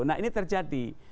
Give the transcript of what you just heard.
nah ini terjadi